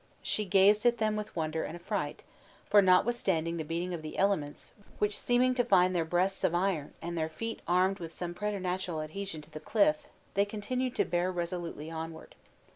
She gazed at them with wonder and affright, for, notwithstanding the beating of the elements (which seeming to find their breasts of iron and their feet armed with some preternatural adhesion to the cliff), they continued to bear resolutely onward.